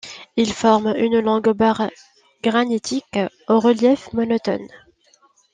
Il forme une longue barre granitique au relief monotone.